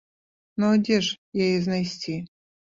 Ну, а дзе ж яе знайсці?